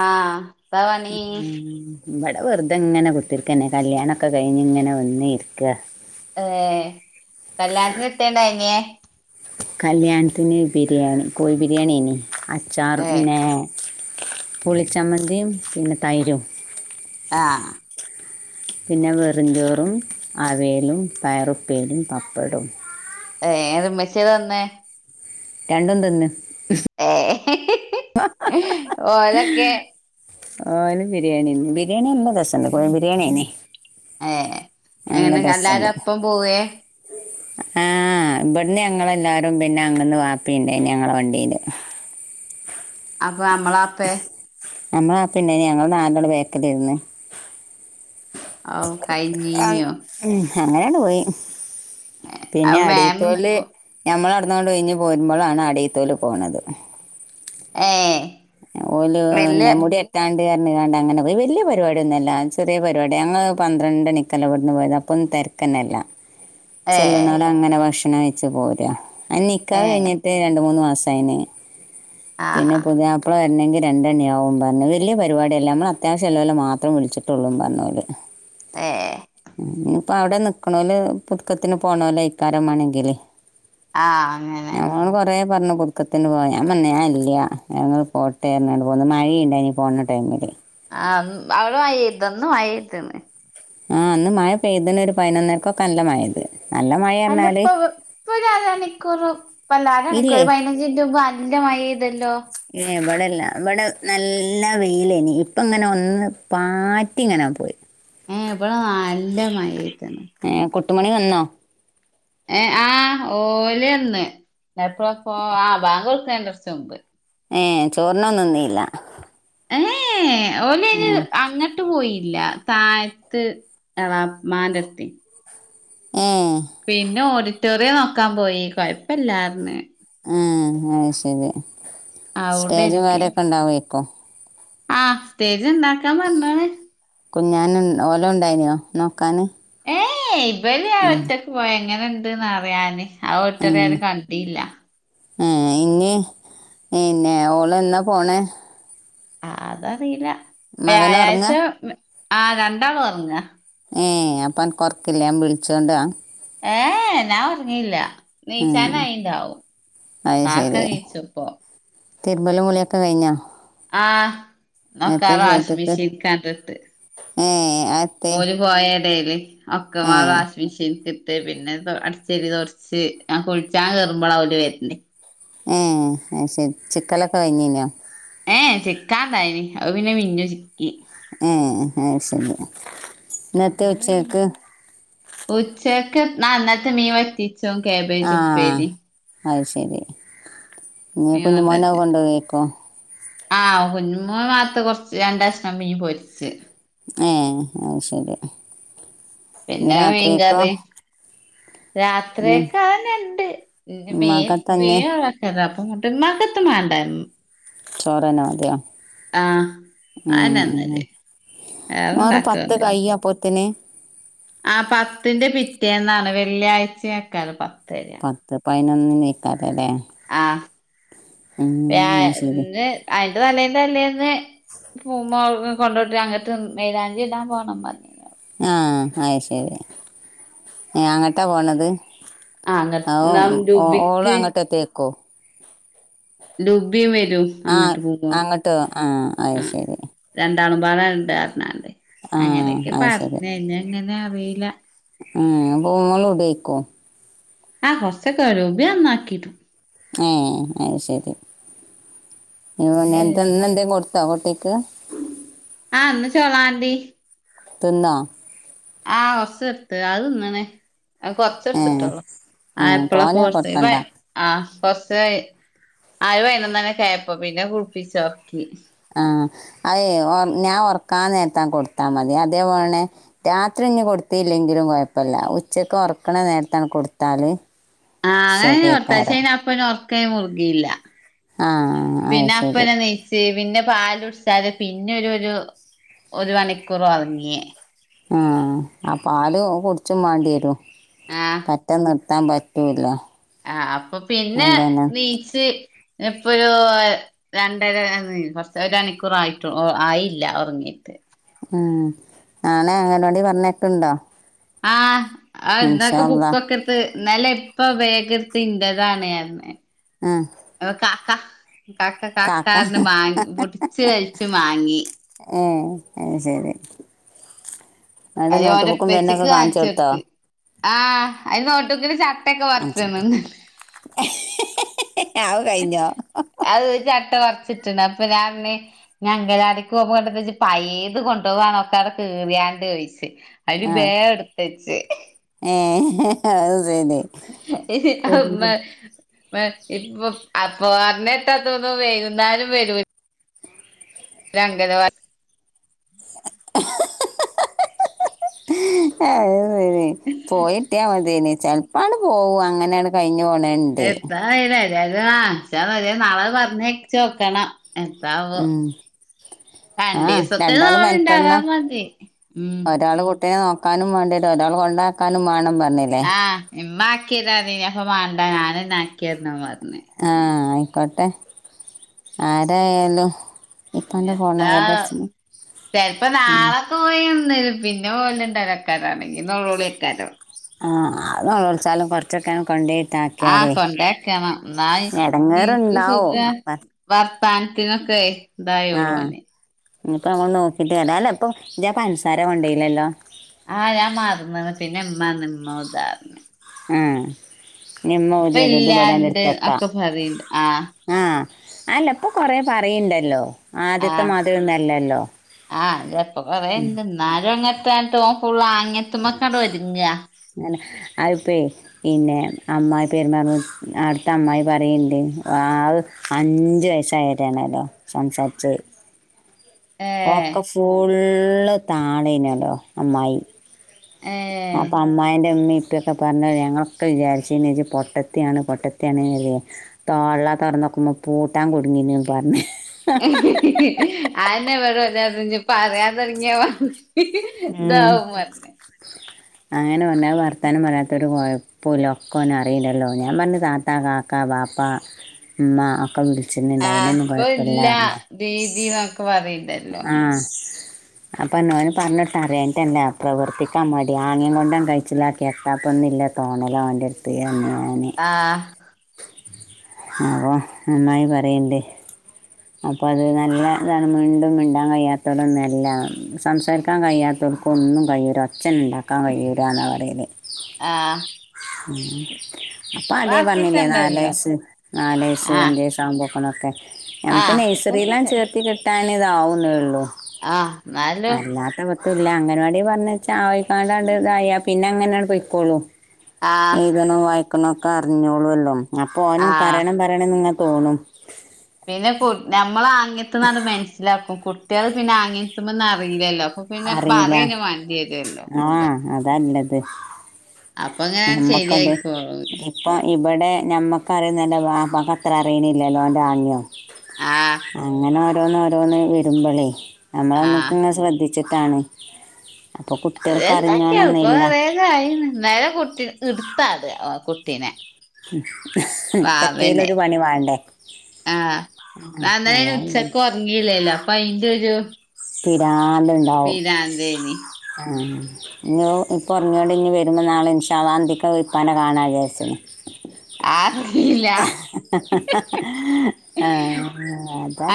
ആഹ് താപണീ ഇവടെ വെറുതെ ഇങ്ങനെ കുത്തിരിക്കന്നെ കല്യാണൊക്കെ കഴിഞ്ഞ് ഇങ്ങനെ വന്ന് ഇരിക്ക ഏ കല്യാണത്തിന് എത്തേണ്ടാ ഇനിയെ കല്യാണത്തിന് ബിരിയാണി കോഴി ബിരിയാണിനി അച്ചാറും ഏഹ് പിന്നെ പുളിച്ചമ്മന്തിയും പിന്നെ തൈരും ആഹ് പിന്നെ വെറും ചോറും അവിയലും പയറുപ്പേരിം പപ്പടോം ഏ ഒരുമിച്ച് തന്നെ രണ്ടും തന്ന് ഓ അതൊക്കെ ഓന് ബിരിയാണി തിന്ന് ബിരിയാണി നല്ല രസൊണ്ട് കോ ഴി ബിരിയാണിന്നെ ഏ അങ്ങനെ കല്ലാത അപ്പം പോവേ ആഹ് ഇവിടുന്ന് ഞങ്ങളെല്ലാരും പിന്നെ അങ്ങ്ന്ന് വാപ്പി ഇണ്ടാര്ന്ന് ഞങ്ങള വണ്ടീല് അപ്പൊ നമ്മളാപ്പേ നമ്മള പിന്നെ ഞങ്ങള് നാല് പേരും നേര്ത്തേ തീന്നേ ഓ കഴിഞ്ഞിനീയോ അങ്ങനെയാണ് പോയി പിന്നെ അത് മാമും അടീത്തോല് ഞമ്മള അടു ഇന്ന് അവിട കഴിഞ്ഞ് പോരുമ്പോളാണ് അടീത്തോല് പോണത് ഏഹ് എ ഓല് വല്യ അന്നെ മുടി കെട്ടാൻ ണ്ട്കാരനെ വേണ്ടാ അങ്ങനെ പോയി വലിയ പരിപാടി ഒന്നും അല്ല ചെറിയ പരിപാടി ഞങ്ങള് പന്ത്രണ്ട് ണിക്കലാ ഇവിടുന്ന് പോയത് അപ്പം തെരക്ക്ന്നെ എല്ലാം ഏഹ് ചെല്ലണവര അങ്ങന ഭക്ഷണം വെച്ച് പോരാ അ നിക്കാഹ് ഏഹ് കഴിഞ്ഞിട്ട് രണ്ട് മൂന്ന് മാസ് തന്നെ പിന്നെ ആഹ് പുതിയാപ്പ് വരണമെങ്കിൽ രണ്ടെണ്ണിയാവവും പറഞ്ഞു വലിയ പരിപാടിയല്ല നമ്മള് അത്യാവശ്യംല്ലലെ മാത്രം വിളിച്ചിട്ടുള്ളൂ പറഞ്ഞല് ഏഹ് [unintelligible] അപ്പ അവിടെ നിൽക്കണല് പുതുക്കത്തിൽ പോണോരെ ഇക്കാരം മാേണെങ്കില് ആഹ് അങ്ങനെ ഞങ്ങള് കൊറെ പറഞ്ഞു പുതുക്കത്തിന് പോയാഞാൻ പറഞ്ഞു ഞാൻ ഇല്ല പോട്ടേന്ന് അറിഞ്ഞു പോന്ന് മഴയുണ്ടായിനി പോണ ടൈമിൽ ആ അവടെ മഴതേ ഇന്ന് മഴ പെയ്തീന് ആ അന്ന് മഴ പെയ്തണ് ഒരു പതിനൊന്നരക്കൊക്കെ നല്ല മഴത് അല്ല ഇപ്പൊ ഇപ്പൊ അര മണിക്കൂർ അരമണിക്കൂർ ഇല്ലേ പതിനഞ്ച് മിനിറ്റ് മുന്നേ നല്ല മഴ പെയ്തു ഇതല്ലോ ഏ, ഇവിടെ ഇവിടെ നല്ല വെയിലേനി ഇപ്പ ഇങ്ങനെ ഒന്ന് പാറ്റി ഇങ്ങനെ പോയി ഇവിടെ നല്ല മഴ പെയ്തുണ് എട്ടുമണി വന്നോ ആ ഓല് വന്ന് എപ്പ ആ ബാങ്ക് കൊടുക്കന്റെറ കുറച്ച് മുമ്പ് ഏ ചോർണൊന്നുംന്നില്ല ഏഹ് ഓലയിന് അങ്ങിട്ട് പോയി ഇല്ല താഴത്ത് എളാമാന്റെ അട്ത്ത് ഏ പിന്നെ ഓഡിറ്റോറിയം നോക്കാൻ പോയി കൊഴപ്പല്ലാർന്ന് ആ അ ശരി സ്റ്റേജും കാര്യമൊക്കെ ഉണ്ടായിരിക്കും ആഹ് സ്റ്റേജ് ഉണ്ടാക്കാൻ പറഞ്ഞാണ് കുഞ്ഞൻ ഓല ഉണ്ടായിനോ നോക്കാന് ഏയ് ഇവല് ഒറ്റക്ക് പോയ എങ്ങനുണ്ട്ന്ന് അറിയാന് ആ ഒറ്ററൊര് കണ്ടല്ല ആ ഇനി പിന്നെ ഓള് എന്നാ പോണേ അതറിയില്ല മകൻ ഉറങ്ങ വ്യാഴാഴ്ച ആഹ് രണ്ടാള് ഉറങ്ങ ഏഹ് അപ്പ അനക്ക് കൊറക്കില്ല ഞാൻ വിളിച്ചോണ്ട ഏഹ് ഞാൻ ഉറങ്ങില്ല ഉം, നീച്ചാന അയിന്താവും അത് ആക്കെ ശരി നീച്ചുപ്പൊ തിരുമ്പലും കുളിയൊക്കെ കഴിഞ്ഞാ ആഹ് എന്നൊക്കെ വാഷിംഗ് ചോദ്യക്ക് മിഷീൻ കണ്ടിട്ട് ഏ അത്തെ ഓല് പോയെടയില് ഒക്കെ ഏ ആ വാഷ്മിന്ക് ഇട്ട് പിന്നെ അടിച്ചടി തുറച്ച് ഞാൻ കുഴിച്ചാൻ കേറുമ്പോ അവര് വരണ് ഉം അത് ശെരി ചിക്കലൊക്കെ കഴിഞ്ഞീലേ ചികാൻ ഉണ്ടായിരുന്ന അത് പിന്നെ മിന്നു ചി ഏഹ് അയ് ശരി ഇന്നത്തെ അബായി ഉച്ചക്ക് ഉച്ച നന്നത്ത മീ വറ്റത്തിച്ച കേബേജ് ആ ഉപ്പേലരി അത് ശരി ഇ കുഞ്ഞ് മോൻ കൊണ്ടന്ന് കൊണ്ട് പോയേക്കോ ആഹ് കുഞ്ഞുമോളാത്ത കൊറച്ച് രണ്ടെണ്ണം മീ പൊരിച്ച് ഏ അ ശരി ഇനി പിന്നെ രാത്രിയൊക്കോ വീകാതെ ഉം, രാത്രിയൊക്കെ അന ഉണ്ട് മീൻ ഉമ്മാക്ക തന്നെ [unintelligible] [unintelligible] മകത്ത് മാണ്ടൻ ചോറ് തന്നെ മതിയോ അതന്നെ തിന്നല് ഹും വേറെ പത്ത് കൈ അപ്പോത്തിന് ആ പത്തിന്റെ പിറ്റേന്നാണ് വെള്ളിയാഴ്ചയക്കാണ് പത്ത് വരാ പത്ത് പതിനൊന്ന് കഴിക്കാരം ലേ ശരി [unintelligible] അ തലേ തല്ലേന്ന് പൂമ്പോ കൊണ്ടോട്ട് അങ്ങട്ട് മെലാഞ്ചി ഇടാൻ പോകണം പറഞ്ഞ ആഹ് അയ് ശരി അങ്ങട്ടാ പോണത് ആഹ് അങ്ങട്ട് ആ ന്നാ ഓള ലുബിക്ക് അങ്ങോട്ടത്തക്കോ ലുബിയും വരൂ ആഹ് അങ്ങോട്ട് പോകുമ്പോൾ അങ്ങോട്ടോ ആഹ് അത് ആ ശരി രണ്ട് [unintelligible] ആഹ് അങ്ങനെയൊക്കെ പറഞ്ഞെ അങ്ങനെ അറിയില്ല ഉം മോൾ ഇവിടെ നിൽക്കോ ആ [inaudible] ആ അത് ശരി ഇന്ന് എന്ത കോ [unintelligible] ആ അന്ന് ചോളാം [unintelligible] തിന്നോ ആ [unintelligible] അതു തിന്നാണ് കുറച്ച് എടുത്തിട്ടോ ഏഹ് ആ ആഹ് ഇപ്പോഴോക്കയാ തോനെ ഓർത്തേ കൊടുക്കണ്ട [unintelligible] ആ വൈകുന്നേരം ഒക്കെ ആയപ്പോ പിന്നെ കുളപ്പി [unintelligible] ആ അത ഞാൻ ഉറക്കാൻ നേരത്ത് കൊടുത്താ മതി അതേപോലെ തന്നെ രാത്രി കുഞ്ഞിന് കൊടുത്തില്ലെങ്കിലും കുഴപ്പമില്ല ഉച്ചയ്ക്ക് ഉറക്കണ നേരത്താണ് കൊടുത്താൽ ആ അങ്ങനെ [unintelligible] അപ്പ ഉർക്ക മുറുകയില്ല ആഹ് അത് പിന്നെ ശരി അപ്പനെ നെയിച്ച് പിന്നെ പാൽ കുടിച്ചാൽ പിന്നെ ഒരു ഒരു ഒരു മണിക്കൂർ ഉറങ്ങി ആഹ് ആ പാൽ കുടിച്ചും വേണ്ടി വരോ [unintelligible] പറ്റൂല്ല ആ അപ്പൊ പിന്നെ അതന്നെ [unintelligible] എപ്പോഴോ രണ്ടര കുറച്ച് ഒരു മണിക്കൂർ ആയിട്ടു ആയില്ല ഉറങ്ങീയിട്ട് ഉം ആ ഞാനെ അങ്ങനവാടി വന്നിട്ടുണ്ടോ ആഹ് ആ എന്നന്തൊക്കെ ബുക്കൊക്കെ എടുത്ത് എന്നാൽ ഇപ്പ [unintelligible] എൻ്റെയാണെ ഞാൻ ആഹ് കാക്ക [unintelligible] മാങ്ങി [unintelligible] കഴിച്ചു വാങ്ങി ആ [unintelligible] അതിന് [unintelligible] കാണിച്ചെടുക്ക ആ [unintelligible] [unintelligible] ചട്ടൊക്കെ കാണിച്ചു. [unintelligible] [inaudible] കഴിഞ്ഞോ അത് ചട്ട വറത്ത [unintelligible] പിന്നെ അങ്കണവാടിക്ക് പോകുമ്പോണ്ട പയ്ത് കൊണ്ടുപോകാനോ ഒക്കെ [unintelligible] [unintelligible] അവര് വേറെ എടുത്തച്ച് ഏഹ് [inaudible] അപ്പൊ അന്ന് ഇട്ട അതൊന്ന് വൈകുന്നേരം വരു അങ്കണനവാടി [inaudible] പോയിട്ടേ മതിന്ന് ചിലപ്പോ അങ്ങട്ട് പോകും അങ്ങനെയാണ് കഴി [inaudible] എത്താ അറിയില്ല നാളെ പറഞ്ഞേ ചോദിക്കണം എന്താവോ ഉം രണ്ട് ആ ദിവസത്തിൽ രണ്ടാള് നമ്മള മെനക്കണ്ട ഇണ്ടാകാന്നു പറഞ്ഞി ആക്കാനും വേണ്ടിട്ട് ഒരാൾ കൊണ്ടാക്കാനും വേണം പറ ആ ഇമ്മ ആക്കിരാനി അപ്പ മേണ്ട ഞാൻ ആക്കി തന്നെ മതി ആ ആയിക്കോട്ടെ ആരായാലും ഇപ്പൻ്റെ ഫോണാ എന്താ അവരുടെ അടിച്ചു ചിപ്പോ നാളെ പോയി [inaudible] പിന്നെ [unintelligible] ആ അതു നിലവിളിച്ചാലും കുറച്ചൊക്കെ കൊണ്ട ആ കൊണ്ടക്കണം എന നിക്ക് സുഖ ഇടങ്ങേറുണ്ടാവും പ- ഥാനത്തിനൊക്കെ ഇതായോള്ളു അനെ ഇനിപ്പ അങ്ങോണ്ട് നോക്കിട്ട് വരാല്ലോ ഇപ്പൊ ഇപ്പ പഞ്ചസാര കൊണ്ടല്ലല്ലോ ആഹ് ഞാൻ മാറന്ന പിന്നെ എ്മാ നിമ്മ ഉദാർന്ന ആഹ നിമ്മ തിത് ദു ബട ഇല്ലാണ്ട് ഇടുത്തക്ക ഒക്കെ പറയണ്ട് ആ ആഹ അല്ലപ്പൊ കൊറേ പറയണ്ടല്ലോ ആദ്യത്തെ മതൊന്നല്ലല്ലോ അപ്പ പറയണ്ട് എന്നാലും അങ്ങനത്തെ തോക്കുള്ള അങ്ങത്ത്മക്കാടെ വര ന്ന അ് പെരുറ അടു അ് പറ ആ അഞ്ച വയസ്സായരണല്ലോ സംസാരിച്ച ഏ ഒക്കെ ഫുള്ള് താണനല്ലോ അമ്മായി ഏ അപ്പൊ അമ്മായിന്റെ ഉമ്മി കുൊക്കെ പറഞ്ഞ ഞങ്ങളൊക്കെ വിചാരിച്ചച്ച പൊട്ടത്തിയാണ് പൊട്ടത്തി ത തുറന്ന അക്കുമ പോട്ടാ കൊടുങ്ങന പറഞ്ഞ ആന്നെവിട പറയാൻ തുടങ്ങിയാ വ ഉം ദൗമാെ അങ്ങനെ പറഞ്ഞാൽ വർത്താനം വരാത്തൊരു കുഴപ്പമില്ല ഒക്കെന്നും അറിയിണ്ടല്ലോ ഞാൻ പറഞ്ഞ താത്ത കാക്ക പാപ്പ അമ്മ ഒക്കെ വിളിച്ചിുന്നണ്ട് ആഹ് അയിനൊന്നും ഇപ്പൊ ഇല്ല കൊഴപ്പില്ലർുന്നേ ദീദിന്നൊക്കെ പറയണ്ടല്ലോ ആഹ അപ്പൊ നോന് പറഞ്ഞിട്ട് അറിയൻട്ടല്ലാ പ്രവർത്തിക്കാൻ മതി ആങ്ങേം കൊണ്ടൻ കഴിച്ചില്ല കേട്ടാപ്പൊന്നില്ല എ തോണല അവന്റെ അടുത്ത് ആഹ അപ്പൊ നന്നായി പറയില്ലേ അപ്പൊ അത് നല്ല ഇതാണ് മിണ്ടും മിണ്ടാൻ കഴിയാത്തവരൊന്നല്ല സംസാരിക്കാൻ കഴിയാത്ത അർക്കും ഒന്നും കഴ്യൂര അച്ഛന ഉണ്ടാക്കാൻ കഴിയരാെന്നാണ് പറയത് ആഹ ഉ അപ്പൊ അതേ പറഞ്ഞില്ലേ നാല ഉണ്ടല്ലോ വയസ്സ് നാലയസ്സ് ആഹ് അഞ്ചയസ്സ ആകുമ്പോ അപ്പോണൊക്കെ നമുക്ക് ആഹ് അതൊക്കെ നഴ്സറില്ലാം ശെ ചേർത്തി കിട്ടൻ ഇതാവുന്നുേള്ളൂ ആഹ് എന്നാലാലോ ല്ല അങ്ങനവാാടി പറഞ്ഞച്ചാ ആവയിക്കാാണ്ട് ഇതായ പിന്നെ അങ്ങനെയാണ് പ പോയിക്കോളൂ ആഹ് എഴുതണോ വായിക്കണോ ഒക്കെ അറിഞ്ഞോളൂല്ലോ അപ്പൊ ഓനും ആഹ് പറയണം പറയണന്ന് നിങ്ങെ തോന്നും പിന്നെ കു നമ്മൾ ആങ്ങത്തുന്ന മനസ്സിലാക്കും കുട്ടികള് പിന്നെ ആങ്ങെത്തുമ്പോന്നന്ന് അറിയില്ലല്ലോ അപ്പൊ പിന്നെ അറിയില്ല പറയന്നെ വേണ്ടി വരുവല്ലോ ആഹ അതല്ലത് അപ്പൊ ഇങ്ങനെയാണ്ട് ഞമ്മക്കത് ശരിയായിക്കോളും ഇപ്പൊ ഇവിടെ ന അ ആഹ് അ ഓോ രോന്ന് വരുമ്പോളേ ആഹ് നമ്മളമ്മുക്ക ഇെ ശ്രദ്ധിച്ചിട്ടാണ് അപ്പൊ അത് കുട്ടികൾക്ക് അറിഞ്ഞോണൊന്നുമില്ല എന്താക്കെയളപ്പറയതായി എന്നാല കുട്ടി എടുത്താെ കുട്ടീനെ എത്തൽൊ വാവനെ ഒരു പണി വേണ്ടേ ആഹ് നന്ന അന് അതാണ് ഉച്ചക്ക ഉറങ്ങിയില്ലേല്ലോ അപ്പൊ അയിന്റെ ഒരു നാലുണ്ടാവും പിരാന്തേനി ഇഞ്ഞി ഇപ്പ ഉറങ്ങിയൊണ്ട് ഇനി വരുമ്പോ നാള ഇൻഷാള്ള അന്തിക് അങ്ങ് പ്പാനെ കാണാ വിചാരിച്ച് ആഹ് [unintelligible] ആഹ്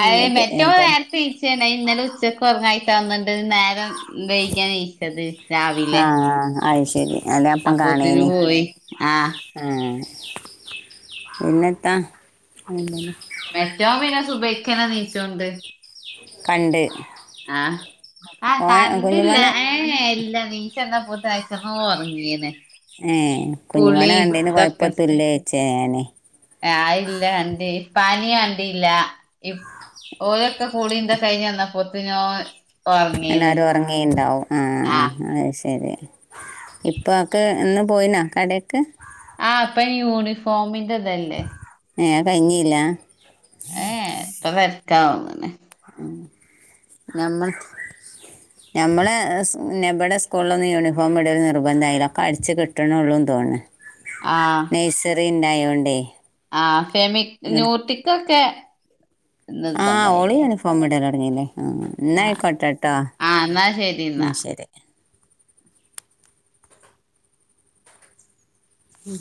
അതെ ഏതാലും ച്ചക്ക ഉറങ്ങായിട്ട ന്നിണ്ട് നേരം വൈകിയ നീച്ചത് രാവിലെ അയ് ശരി അല്ലെ അപ്പം അപ്പോത്തിന് കാണേനി പോയി ആഹ് ആഹ് പിന്നെ എത്താ മറ്റോ പിന്നെ സ സുബൈക്കന്നെ നീച്ചോണ്ട് കണ്ട് ആഹ് ആഹ് ഓന കണ്ടില്ല കുഞ്ഞുമോനെ ഏഹ് ഇ ഇല്ല നീച്ചന്നപ്പോ [unintelligible] ഒർങ്ങിണ് ഏ കുഞ്ഞുമോനെ കൂളി കണ്ടതിന് ഇതൊകെ കുഴപ്പത്തില്ലേ ചേനെ ആയില്ല കണ്ടി പാനി കണ്ടില്ല. ഇപ് ഓരൊക്കെ കൂടിന്ത കഴിഞ് വന്ന പോത്തിനോ എല്ലാരും ഉറങ്ങിണ്ടാവും. ആഹ് അഹ് ശരി ഇപ്പാക്ക് ഇന്ന് പോയിനാ കടേക്ക്? ആഹ് ഇപ്പയ്ന് യൂണിഫോമിന്റെ ഇതല്ലേ. ഏഹ് അഹ് കഴിഞ്ഞില്ല? ഏഹ് [unintelligible] ഉം ഞമ്മൾ ഞമ്മളെ എസ് നബടെ സ്കൂളിലൊന്നും യൂണിഫോം ഇടൽ നിർബന്ധായില്ല. ഒക്കെ അടിച്ച് കിട്ടിണൊള്ളു തോന്നുണു ആഹ് [unintelligible] ആഹ് ഫെമി ന്യുയൂട്ടിക്കൊക്കെ ആഹ് ഓള് യൂണിഫോം ഇടല് തൊട്ങ്ങില്ലേ ആഹ് എന്നാ ആഹ് ആയികൊട്ടോട്ടോ. ആഹ് എന്നാ ശരി എന്നാ ശരി ഉം